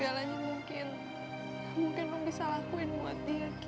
segalanya mungkin mungkin rom bisa lakuin buat dia ki